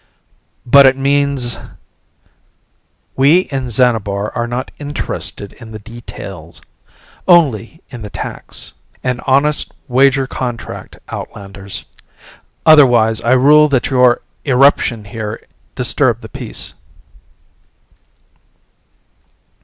"But it means " "We in Xanabar are not interested in the details. Only in the tax. An honest wager contract, outlanders. Otherwise I rule that your eruption here disturbed the peace."